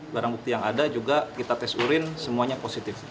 barang bukti yang ada juga kita tes urin semuanya positif